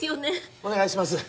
お願いします